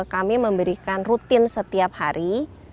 kami memberikan rutin setiap hari